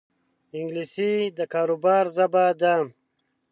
انګلیسي د کاروبار ژبه ده